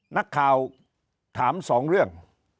นักข่าวถามสองเรื่อง